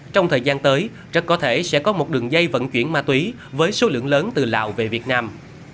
trong thời gian tới rất có thể sẽ có một đường dây vận chuyển ma túy với số lượng lớn từ lào về việt nam